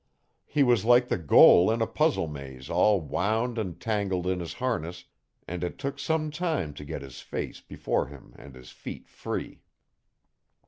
He was like the goal in a puzzle maze all wound and tangled in his harness and it took some time to get his face before him and his feet free.